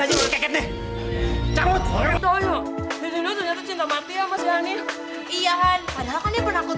aja keket nih cabut soalnya itu cinta mati ya mas ya nih iya kan padahal kan ini penakut